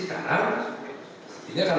jika kalau terbakar gambar gambar